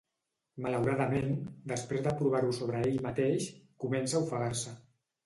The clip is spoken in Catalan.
Malauradament, després de provar-ho sobre ell mateix, comença a ofegar-se.